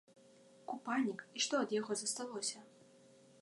Купальнік і што ад яго засталося!